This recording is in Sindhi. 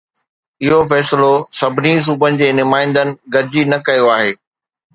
اهو فيصلو سڀني صوبن جي نمائندن گڏجي نه ڪيو آهي.